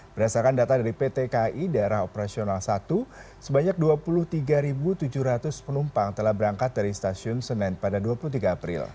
berdasarkan data dari pt kai daerah operasional satu sebanyak dua puluh tiga tujuh ratus penumpang telah berangkat dari stasiun senen pada dua puluh tiga april